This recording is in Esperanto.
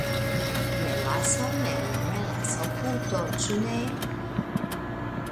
Melason el melasoputo, ĉu ne?